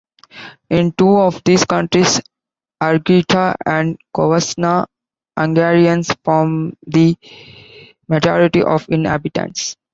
In two of these counties, Harghita and Covasna, Hungarians form the majority of inhabitants.